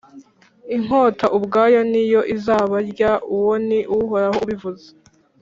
inkota ubwayo ni yo izabarya. Uwo ni Uhoraho ubivuze.